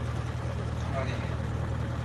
Ur qqaṛ i ḥed.